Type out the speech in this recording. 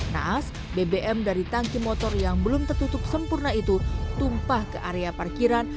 naas bbm dari tangki motor yang belum tertutup sempurna itu tumpah ke area parkiran